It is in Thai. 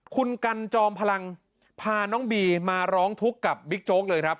คุณกันจอมพลังพาน้องบีมาร้องทุกข์กับบิ๊กโจ๊กเลยครับ